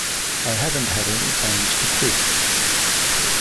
I haven't had any plans to quit.